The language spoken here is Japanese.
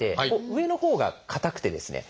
上のほうが硬くてですね